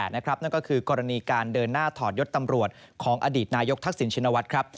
นั่นก็คือกรณีการเดินหน้าถอดยศตำรวจของอดีตนายกทักษิณชินวัฒน์ครับ